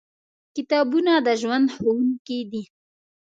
کتابونه د ژوند ښوونکي دي.